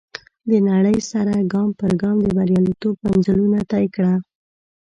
د نړۍ سره ګام پر ګام د برياليتوب منزلونه طی کړه.